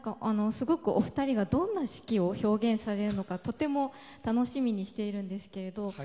すごくお二人がどんな「四季」を表現されるのかとても楽しみにしているんですが。